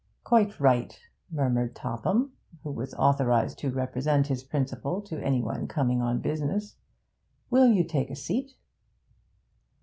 'Quite right,' murmured Topham, who was authorised to represent his principal to any one coming on business. 'Will you take a seat?'